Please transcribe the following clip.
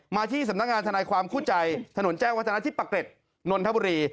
มาที่สำนักงานทนายความคู่ใจถนนแจ้งวัฒนาที่ปะเกร็ดนนทบุรี